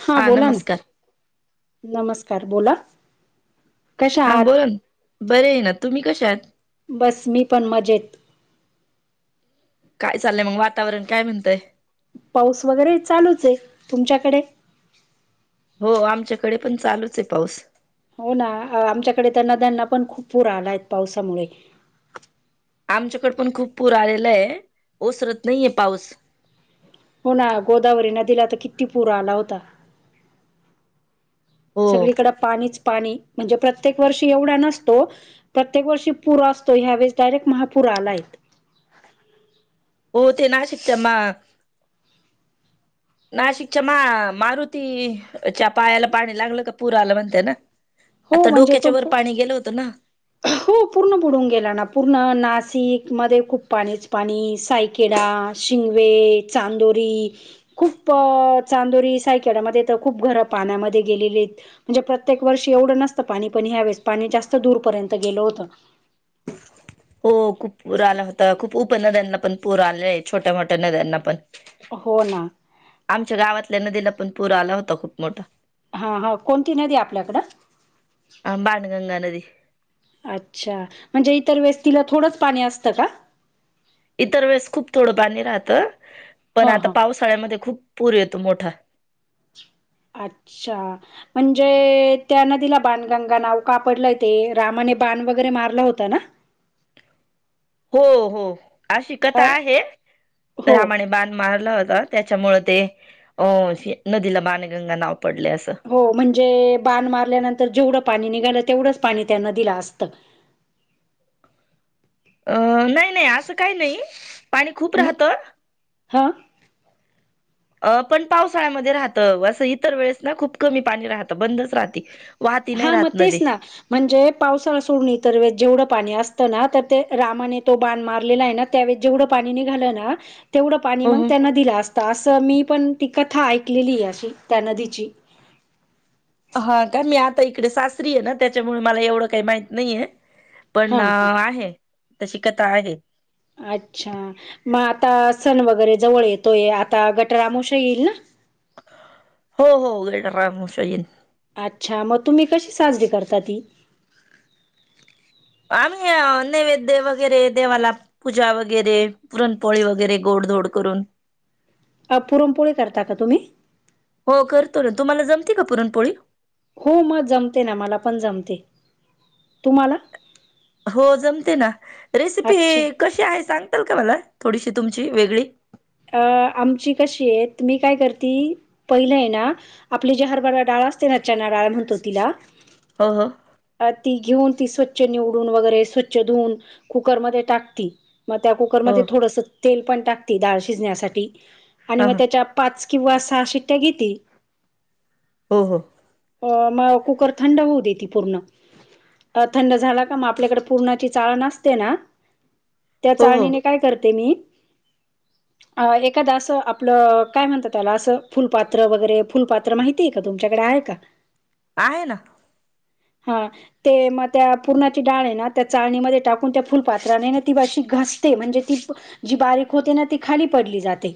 हा बोला ना, नमस्कार बोला. कशा हां आहात बोला ना, बरे आय ना तुम्ही कशा आहात? बस मी पण मजेत. काय चाललय मग वातावरण काय म्हणतय. पाऊस वगैरे चालूच आहे. तुमच्याकडे? हो आमच्याकडे पण चालूच आहे पाऊस. हो ना आमच्याकडे तर नद्यांना पण खूप पूर आलाय पावसामुळे. आमच्याकड पण खूप पूर आलेला आहे. ओसरत नाहीये पाऊस. हो ना गोदावरी नदीला तर किती पुर आला होता. हो सगळीकड पाणीच पाणी म्हणजे प्रत्येक वर्षी एवढा नसतो. प्रत्येक वर्षी पुर असतो. ह्या वेळेस डायरेक्ट महापूर आलाय. हो ते नाशिकच्या मा [inaudible] नाशिकच्यामा मारुती च्या पायाला पाणी लागल का पुर आला म्हणते ना, हो आता म्हणजे तो डोक्याच्या वर पू- पाणी गेल होत ना. हो पूर्ण बुडून गेला ना पूर्ण नाशिक मध्ये खूप पाणीच पाणी साय किडा, शिंगवे, चांदोरी खूप चांदोरी सायकाळ्यामध्ये तर खूप घर पाण्यामध्ये गेलेले आहेत. म्हणजे प्रत्येक वर्षी एवढ नसत पाणी पण ह्यावेळेस पाणी जास्त दूरपर्यंत गेल होत. हो खूप पूर आला होता खूप उपनद्यांना पण पूर आलेला आहे छोट्या मोठ्या नद्यांना पण. हो ना आमच्या गावातल्या नदीला पण पूर आला होता खूप मोठा. हा हा कोणती नदी आहे आपल्याकड.? बाणगंगा नदी. अच्छा, म्हणजे इतर वेळेस तिला थोडंच पाणी असत का. इतर वेळेस खूप थोड पाणी राहत पण हां, आता हां. पावसाळ्यामध्ये खूप पूर येतो मोठा. अच्छा. म्हणजे त्यांना नदीला बाणगंगा नाव का पडलय ते रामाने बाण वगैरे मारला होता ना. हो हो अशी कथा अ आहे हो रामाने बाण मारला होता. त्याच्यामुळे ते अ नदीला बाणगंगा नाव पडलय अस. हो म्हणजे बाण मारल्यानंतर जेवढ पाणी निघाल तेवढच पाणी त्या नदीला असत. अ नाही नाही अस काही नाही पाणी खूप मग राहत. [inaudible] अ पण पावसाळ्यामध्ये राहत अस इतर वेळेस ना खूप कमी पाणी राहत. बंदच राहते. वाहत नाही हा मग राहत तेच नदी. ना म्हणजे पावसाळा सोडणी तर जेवढं पाणी असत ना तर ते रामाने तो बाण मारलेला आहे ना, त्यावेळेस जेवढ पाणी निघाल ना तेवढ पाणी हो मग हो त्या नदीला असत असं मी पण ती कथा ऐकलेली आहे अशी त्या नदीची. हा का मी आता इकडे सासरी आहे ना त्याच्यामुळे मला एवढ काही माहित त नाहीय. पण हा हा आहे. तशी कथा आहे. अच्छा मग आता सण वगैरे जवळ येतोय आता गटर अमावश्या येईल ना. हो हो गटर अमावस्या येईल. अच्छा मग तुम्ही कशी साजरी करता ती? आम्ही नैवेद्य वगैरे देवाला. पूजा वगैरे पुरणपोळी वगैरे गोडधोड करून. पुरमपोळी करता का तुम्ही? हो करतो ना तुम्हाला जमते का पुरणपोळी. हो म जमते ना, मला पण जमते, तुम्हाला? हो जमते ना, रेसिपी अच्छा कशी आहे सांगताल का, मला थोडीशी तुमची, वेगळी? अ आमची कशी ये, त मी काय करती, पहिलंय ना आपली जी हारबरा डाळ असते ना, चना डाळ म्हणतो, तिला? हो हो. अ ती घेऊन, ती स्वच्छ निवडून वगैरे, स्वच्छ धुवून कुकरमध्ये टाकती. म त्या हो कुकरमध्ये, थोडंसं तेल पण टाकती, डाळ शिजण्यासाठी, आणि हा मग हा त्याच्या पाच किंवा सहा शिट्टया घेती. हो हो. अ म, कुकर थंड होऊ देती, पूर्ण. थंड झाला का, म आपल्याकड पूर्णाची, चाळण असते ना? त्या हो हो चाळणीने, काय करते मी? अ एखादा असं आपलं, काय म्हणता त्याला, असं फुलपात्र वगैरे, फुलपा त्र माहितीय का, तुमच्याकड आहे का? आहे ना. हा. ते म त्या, पूर्णाची डाळ ये ना, त्या चाळणीमध्ये टाकून, त्या फुलपात्राने ना, ती अशी घासते, म्हणजे ती जी बारीक होते ना, ती खाली पडली जाते.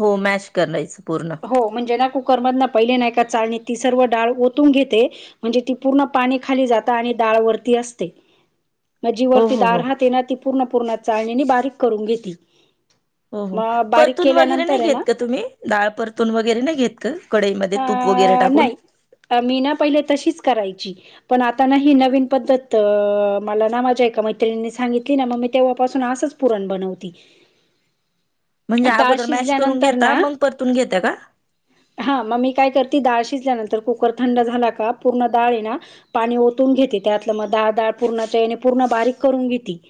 हो, मॅश करनायचं, पूर्ण. हो म्हणजे ना, कुकरमधन पहिले ना, एका चाळणीत, ती सर्व डाळ ओतून घेते. म्हणजे, ती पूर्ण पाणी खाली जात आणि डाळवरती असते. म जी हो वरती हो दाळ हो राहती ना, ती पूर्ण, पूरनाच्या चाळणीने, बारीक करून घेती. हो हो. मग बारीक परतून वगैरे नही केल्यानंतर आहे ना घेत का, तुम्ही? डाळ परतून वगैरे नही घेत का, कडईमध्ये तूप वगैरे टाकून? नाही अ मी ना, पहिले तशीच करायची. पण आता ना, ही नवीन पद्धत, मला ना माझ्या एका मैत्रिनी सांगितली ना, म मी तेव्हापासून असच पुरण बनवती. म्हणजे डाळ अगोदर मॅश करून शिजल्यानंतर घेता, ना मंग परतून घेत्या का? हां मग मी काय करती, डाळ शिजल्यानंतर, कुकर थंड झाला का, पूर्ण डाळ ये ना पाणी ओतून घेते त्यातलं, म दाळ-दाळ पूरणाच्या याने, पूर्ण बारीक करून घेती.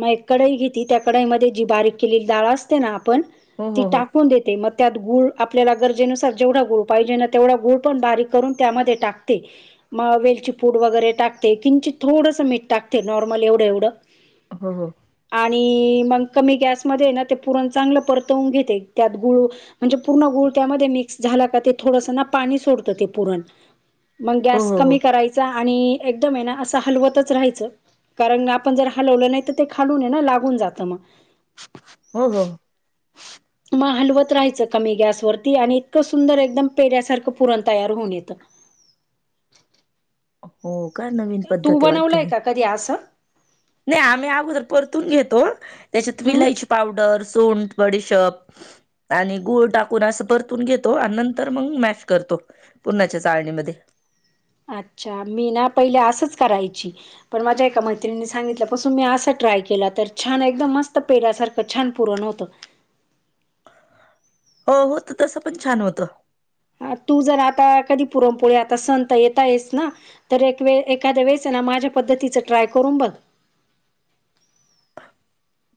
म एक कडई घेती, त्या कडईमध्ये, जी बारीक केलेली डाळ असते ना आपण, हो ती हो हो टाकून देते, म त्यात, गुळ आपल्याला गरजेनुसार, जेवढा गुळ पाहिजे ना, तेवढा गुळ पण बारीक करून, त्यामध्ये टाकते. म वेलची फूड वगैरे टाकते, किंचित थोडंसं मीठ टाकते, नॉर्मल एवढं-एवढं. ह्म ह्म. आणि मंग कमी गॅसमध्ये ना, ते पुरण चांगलं परतवून घेते, त्यात गुळू म्हणजे पूर्ण गुळ त्यामध्ये मिक्स झाला का, ते थोडंसं ना, पाणी सोडतं, ते पुरण. मंग हो गॅस हो हो कमी करायचा आणि एकदम ये ना, असं हलवतच राहायचं. कारण आपण जर हलवलं नही, त ते खालून ये ना, लागून जातं म. हो हो. म हलवत राहायचं, कमी गॅसवरती आणि इतकं सुंदर एकदम पेड्यासारखं, पुरण तयार होऊन येतं. हो का, नवीन तू पद्धत ये वाटत बनवलंय ही,? का कधी आस? नाही आम्ही अगोदर परतून घेतो, त्याच्यात हम्म विलायची पावडर, सुंठ, बडीशेप आणि गूळ टाकून, असं परतून घेतो, आणि नंतर मंग मॅश करतो. पुरणाच्या चाळणीमध्ये. अच्छा! मी ना पहिले असंच करायची. पण माझ्या एका मैत्रिणी सांगितलं पासून मी असा ट्राय केला, तर छान एकदम मस्त पेड्यासारखं छान पुरण होत. हो होत तसं पण छान होतं. तू जर आता कधी पुरणपोळी आता सण येता आहेस ना. तर एक वेळ एखाद्या वेळेस ना माझ्या पद्धतीचं ट्राय करून बघ.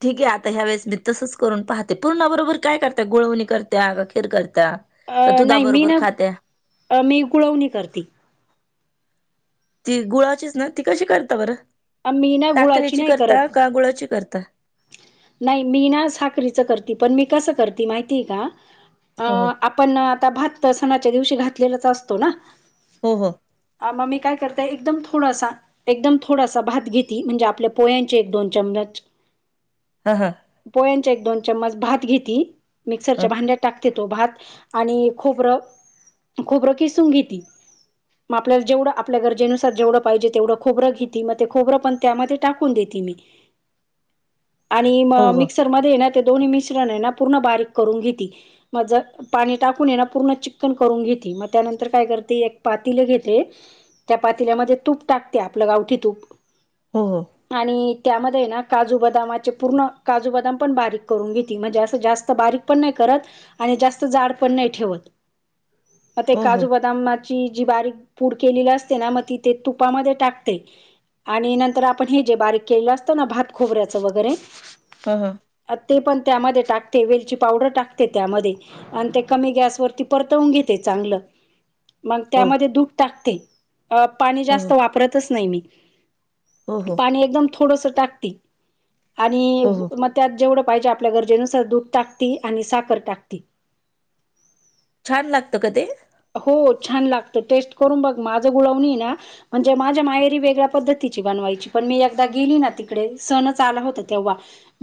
ठीक आहे आता ह्या वेळेस मी तसच करून पाहते, पूर्णा बरोबर काय करता गुळवणी करत्या, का खीर करता. अ नाही मी ना मी गुळवणी करती. ती गुळाचीच ना ती कशी करता बरं अ, मी ना गुळाची साखरेची नाही करत. करता का गुळाची करता. नाही मी ना साखरेची करते पण मी कसं करते माहितीय का? अ‌ हो आप आपण आता भात सणाच्या दिवशी घातलेलाच असतो ना. हो हो. अ मग मी काय करतेय एकदम थोडासा एकदम थोडासा भात घेती म्हणजे आपल्या पोयांचे एक दोन चममच. हा हां. पोह्यांच्या एक दोन चम्मच भात घेती हा. मिक्सरच्या भांड्यात टाक ते तो भात आणि खोबरं खोबरं किसून घेती. मग आपल्या जेवढ आपल्या गरजेनुसार जेवढं पाहिजे तेवढं खोबरं घेती मग ते खोबर पण त्यामध्ये टाकून देते मी. आणि म हो हो मिक्सरमध्ये ना ते दोन्ही मिश्रण आहे ना पूर्ण बारीक करून घेती. मग पाणी टाकून ये ना पूर्ण चिक्कन करून घेते मग त्यानंतर काय करते एक पातीलं घेते. त्या पातील्यामध्ये तूप टाकते आपलं गावठी तूप. हो हो. आणि त्यामध्ये ना काजू, बदाम, पूर्ण काजू बदाम पण बारीक घेती म्हणजे अस जास्त बारीक पण नाही करत. आणि जास्त जाड पण नाही ठेवत. मग ते हो हो काजू बदाम ची जी बारीक पूड केलेली असते ना मग ती ते तुपामध्ये टाकते. आणि नंतर आपण हे जे बारीक केलं असतं ना भात खोबऱ्याचं वगैरे हं हं. ते पण त्यामध्ये टाकते, वेलची पावडर टाकते त्यामध्ये. आणि ते कमी गॅसवरती परतवून घेते चांगलं. मग हो त्यामध्ये दूध टाकते अ पाणी हो जास्त वापरतच नाही मी. हो हो पाणी एकदम थोडस टाकती. आणि हो हो मग त्यात जेवढं पाहिजे आपल्या गरजेनुसार दूध टाकती आणि साखर टाकती. छान लागतं का ते? हो छान लागत टेस्ट करून बघ माझं गुलावणीए ना म्हणजे माझ्या माहेरी वेगळ्या पद्धतीची बनवायची पण मी एकदा गेली ना तिकडे सणच आला होता तेव्ह.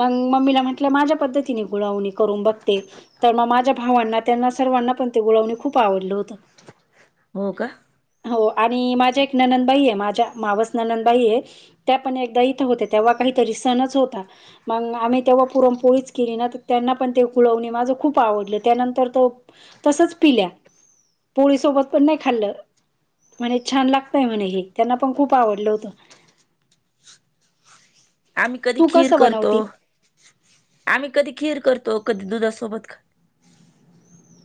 मग मम्मीला म्हटलं माझ्या पद्धतीने गुंळवणी करून बघते. तर मग माझ्या भावांना त्यांना सर्वांना पण ते गोळवणी खूप आवडलं होतं. हो का! हो आणि माझ्या एक ननंदबाई आहे माझ्या मावस ननंदबाई आहे. त्या पण एकदा इथं होत्या तेव्हा काहीतरी सणच होता. मंग आम्ही तेव्हा पुरणपोळीच केली नाही तर त्यांना पण ते कुळवणे माझं खूप आवडलं त्यानंतर तो तसंच पिल्या. पोळी सोबत पण नाही खाल्लं, म्हणे लागतंय म्हणे हे, त्यांना पण खूप आवडलं होतं. आम्ही कधी तू खीर कसं करतो, बनवती आम्ही कधी खीर करतो, कधी दुधासोबत खा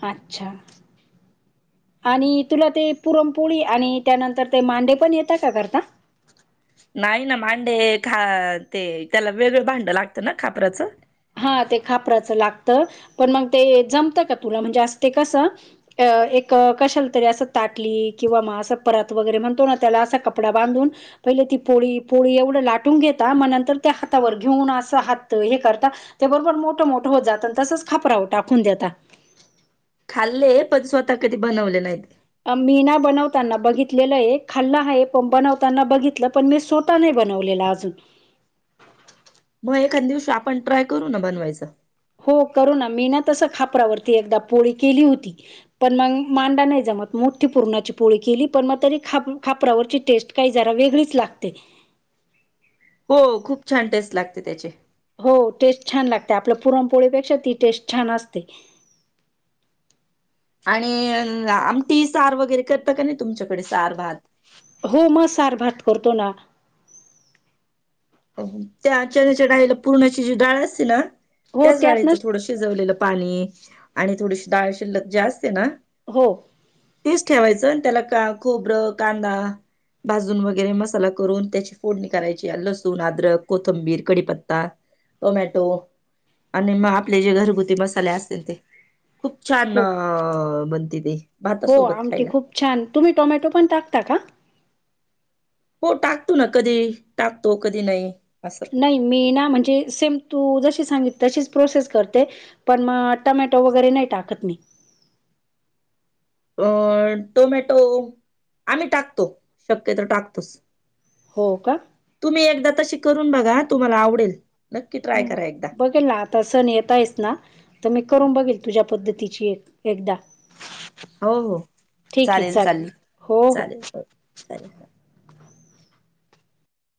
अच्छा. आणि तुला ते पुरणपोळी आणि त्यानंतर ते मांडे पण येता का करता? नाही ना, मांडे खा ते त्याला वेगळं भांडं लागतं ना खापराचं? हा ते खापराचं लागतं, पण मग ते जमतं का तुला, म्हणजे असं ते कसं अं एक कशाला तरी असं ताटली किंवा मग असं परत वगैरे म्हणतो ना, त्याला असा कपडा बांधून पहिले ती पोळी, पोळी एवढं लाटून घेता, मग नंतर त्या हातावर घेऊन असं हात हे करता ते बरोबर मोठं, मोठं होत जातं, अन तसंच खापराव टाकून देता. खाल्ले, पण स्वतः कधी बनवले नाहीत. मी ना बनवताना बघितलेलं आहे, खाल्लं हाय, पण बनवताना बघितलं पण मी स्व ता नाही बनवलेला अजून. म एखांद दिवशी आपण ट्राय करू ना बनवायचं. हो करू ना, मी ना तसं खापरावरती एकदा पोळी केली हुती. पण मंग मांडा नाही जमत मोठी पुरणाची पोळी केली, पण मग तरी खाप खापरावरची टेस्ट काही जरा वेगळीच लागते. हो खूप छान टेस्ट लागते त्याचे. हो, टेस्ट छान लागते, आपल्या पुरणपोळीपेक्षा ती टेस्ट छान असते. आणि आमटी सार वगैरे करता का नाही, तुमच्याकडे सार भात? हो म सार, भात करतो ना. त्या चणाच्या डाळीला पुरणाची जी डाळ असते ना, हो त्याच डाळीचं त्यातनच थोडसं शिजवलेलं पाणी आणि थोडीशी डाळ शिल्लक जे असते ना हो. तेच ठेवायचं अन त्याला का खोबरं, कांदा भाजून वगैरे मसाला करून त्याची फोडणी करायची या लसू सून, अद्रक, कोथंबीर, कडीपत्ता, टोमॅटो आणि मग आपले जे घरगुती मसाले असतील ते, खूप छान हो अ बनते ते. हो, भातासोबत आमटी खायला. खूप छान, तुम्ही टोमॅटो पण टाकता का? हो टाकतो ना, कधी टाकतो कधी नाही असं. नाही मी ना म्हणजे, सेम तू जशी सांगित तशीच प्रोसेस करते पण मग टमॅटो वगैरे नाही टाकत मी. अ टोमॅटो आम्ही टाकतो, शक्यतो टाकतोच. हो का? तुम्ही एकदा तशी करून बघा, तुम्हाला आवडेल नक्की ट्राय करा एकदा. केला आता सण येतायस ना तर, मी करून बघेल तुझ्या पद्धतीची एक एकदा. हो हो, ठीक आहे चालेल चालेल, हो चालेल हो, चालेल हा.